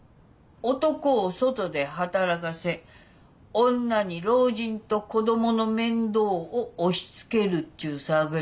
男を外で働かせ女に老人と子供の面倒を押しつけるっちゅう策略に。